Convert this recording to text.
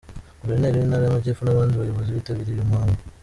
Guverineri w'intara y'Amajyepfo n'abandi bayobozi bitabiriye uyu muhango.